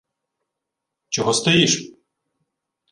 — Чого стоїш?